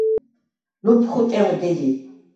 ლუფხუ̂ ტებდი ლი.